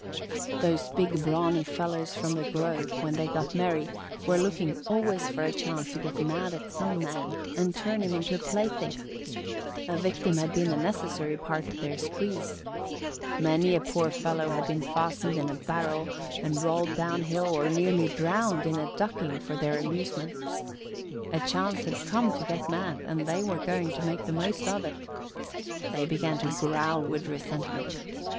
Those big, brawny fellows from the grove when they got merry were looking always for a chance to get mad at some man and turn him into a plaything. A victim had been a necessary part of their sprees. Many a poor fellow had been fastened in a barrel and rolled down hill or nearly drowned in a ducking for their amusement. A chance had come to get mad and they were going to make the most of it. They began to growl with resentment.